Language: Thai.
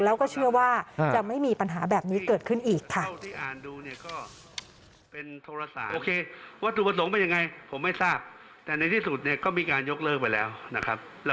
แล้วก็เชื่อว่าจะไม่มีปัญหาแบบนี้เกิดขึ้นอีกค่ะ